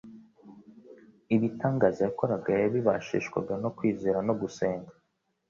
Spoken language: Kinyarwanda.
ibitangaza yakoraga yabibashishwaga no kwizera no gusenga.